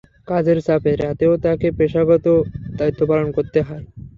কাজের চাপে রাতেও তাকে পেশাগত দায়িত্ব পালন করতে হয়।